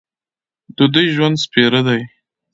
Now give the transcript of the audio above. د دوی ژوند سپېره دی.